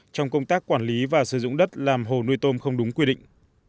trong công tác quản lý và sử dụng đất làm hồ nuôi tôm không đúng quy định